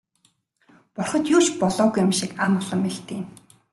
Бурхад юу ч болоогүй юм шиг амгалан мэлтийнэ.